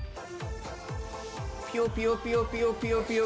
ピヨピヨピヨピヨピヨピヨ。